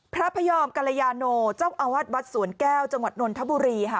พระพยอมกรยาโนเจ้าอาวาสวัดสวนแก้วจังหวัดนนทบุรีค่ะ